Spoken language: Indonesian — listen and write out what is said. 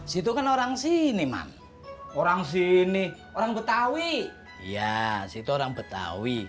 situ kan orang sini man orang sini orang betawi ya situ orang betawi